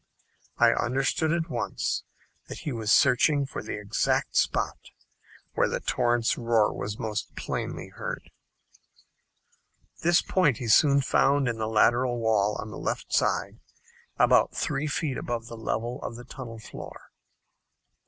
I understood at once that he was searching for the exact spot where the torrent's roar was most plainly heard. This point he soon found in the lateral wall on the left side, about three feet above the level of the tunnel floor.